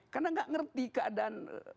karena gak ngerti keadaan